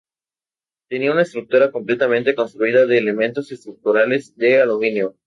Tenía una estructura completamente construida de elementos estructurales de aluminio.